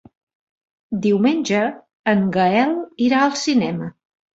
Diumenge en Gaël irà al cinema.